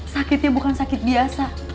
sakitnya bukan sakit biasa